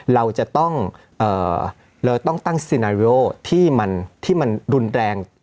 เราจะต้องตั้งสินาเรียลที่มันรุนแรง